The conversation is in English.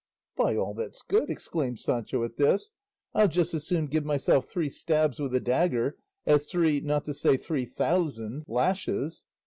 "By all that's good," exclaimed Sancho at this, "I'll just as soon give myself three stabs with a dagger as three, not to say three thousand, lashes.